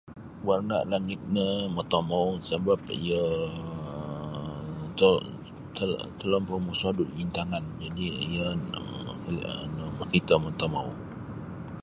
Warna' langit no motomou sabap iyo um to ta talampau mosodu' intangan jadi iyo um mokito motomou.